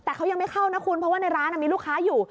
แต่เขายังไม่เข้านะคุณเพราะว่าในร้านมีลูกค้าอยู่